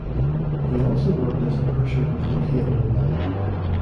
He also worked as a purser with the P and O Line.